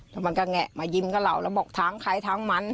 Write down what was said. แล้วมันก็แงะมายิ้มกับเราแล้วบอกทางใครทางมัน